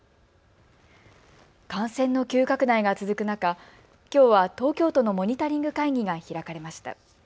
感染の急拡大が続く中、きょうは東京都のモニタリング会議が開かれました。